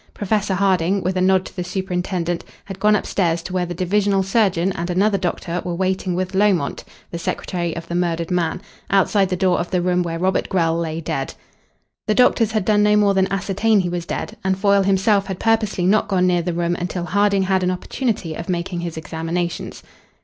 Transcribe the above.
Professor Harding, with a nod to the superintendent, had gone upstairs to where the divisional surgeon and another doctor were waiting with Lomont, the secretary of the murdered man, outside the door of the room where Robert Grell lay dead. The doctors had done no more than ascertain he was dead, and Foyle himself had purposely not gone near the room until Harding had an opportunity of making his examinations.